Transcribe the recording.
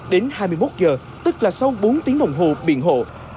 đến hai mươi một giờ tức là sau bốn tiếng đồng hồ biển hộ